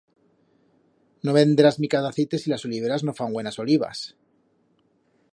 No venderás mica d'aceite si las oliveras no fan buenas olivas.